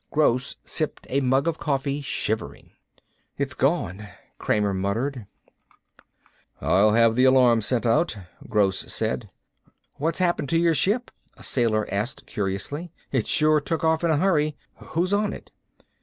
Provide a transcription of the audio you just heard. Gross sipped a mug of coffee, shivering. "It's gone," Kramer murmured. "I'll have an alarm sent out," Gross said. "What's happened to your ship?" a sailor asked curiously. "It sure took off in a hurry. Who's on it?"